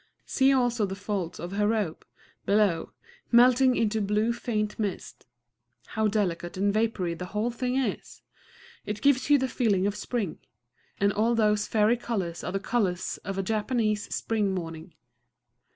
See also the folds of her robe, below, melting into blue faint mist. How delicate and vapory the whole thing is! It gives you the feeling of spring; and all those fairy colors are the colors of a Japanese spring morning....